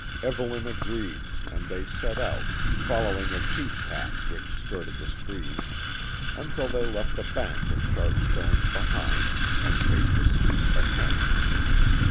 Evelyn agreed, and they set out, following a sheep path which skirted the screes, until they left the bank of sharp stones behind, and faced a steep ascent.